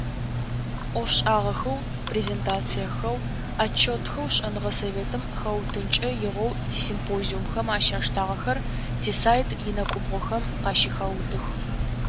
Ӏофшӏагъэхэу, презентациехэу, отчётхэу шӏэныгъэ советым хэутынкӏэ игъоу тисимпозиумхэм ащаштагъэхэр, тисайт инэкӏубгъохэм къащыхаутых.